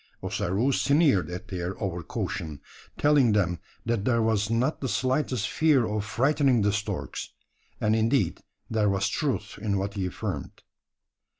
Ossaroo sneered at their over caution telling them, that there was not the slightest fear of frightening the storks; and indeed there was truth in what he affirmed.